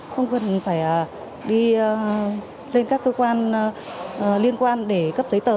không cần phải đi lên các cơ quan liên quan để cấp giấy tờ